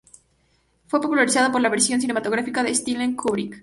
Fue popularizada por la versión cinematográfica de Stanley Kubrick.